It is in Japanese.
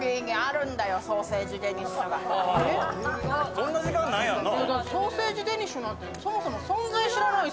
そんな時間ないやろ、なあ？